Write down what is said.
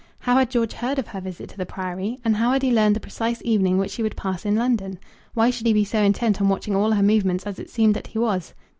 How had George heard of her visit to the Priory, and how had he learned the precise evening which she would pass in London? Why should he be so intent on watching all her movements as it seemed that he was?